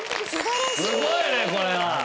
すごいねこれは。